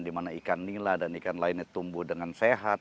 dimana ikan nila dan ikan lainnya tumbuh dengan sehat